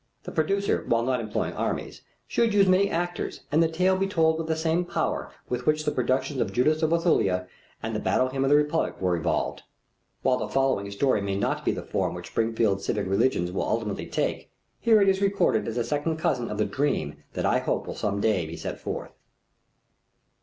The producer, while not employing armies, should use many actors and the tale be told with the same power with which the productions of Judith of Bethulia and The Battle Hymn of the Republic were evolved. While the following story may not be the form which Springfield civic religion will ultimately take, it is here recorded as a second cousin of the dream that I hope will some day be set forth.